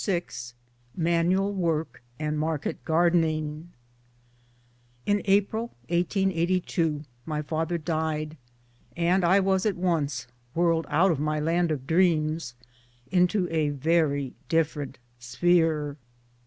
yi MANUAL WORK AND MARKET GARDENING IN April 1882 my father died ; and I was at once whirled out of my land of dreams into a very different sphere.